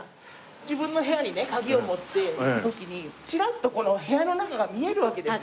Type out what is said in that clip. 自分の部屋にね鍵を持って行く時にチラッとこの部屋の中が見えるわけですよ。